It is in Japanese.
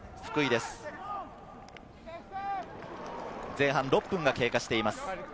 前半６分が経過しています。